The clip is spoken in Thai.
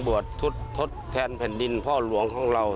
บททดแทนแผ่นดินพ่อหลวงของเรา